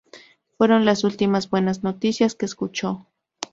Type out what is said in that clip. Fueron las últimas buenas noticias que escuchó.